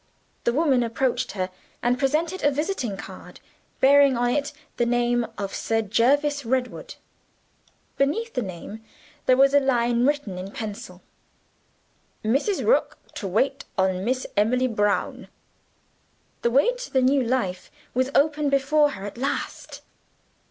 The woman approached her, and presented a visiting card; bearing on it the name of Sir Jervis Redwood. Beneath the name, there was a line written in pencil: "Mrs. Rook, to wait on Miss Emily Brown." The way to the new life was open before her at last!